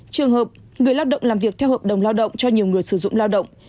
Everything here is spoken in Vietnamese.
trường hợp người lao động làm việc theo hợp đồng lao động cho nhiều người sử dụng lao động